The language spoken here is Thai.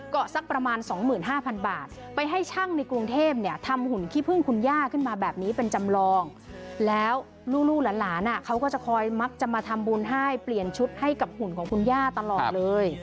ก็สักประมาณ๒๕๐๐บาทไปให้ช่างในกรุงเทพเนี่ยทำหุ่นขี้พึ่งคุณย่าขึ้นมาแบบนี้เป็นจำลองแล้วลูกหลานเขาก็จะคอยมักจะมาทำบุญให้เปลี่ยนชุดให้กับหุ่นของคุณย่าตลอดเลย